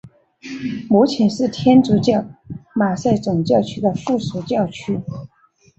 目前是天主教马赛总教区的附属教区。